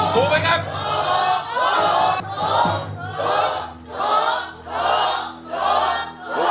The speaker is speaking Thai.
ถูกถูกถูกถูก